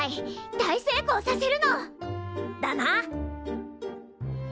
大成功させるの！だな！